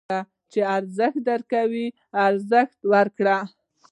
چې ارزښت درکوي، ارزښت ورکړئ.